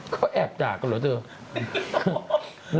เค้าแอบจากกันหรือว่าได้ยัง